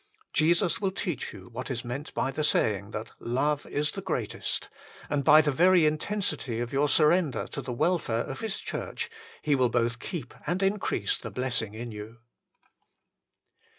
Jesus will teach you what is meant by the saying that " love is the greatest "; l and by the very intensity of your surrender to the welfare of His Church He will both keep and increase the blessing in you.